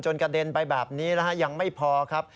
กระเด็นไปแบบนี้นะฮะยังไม่พอครับ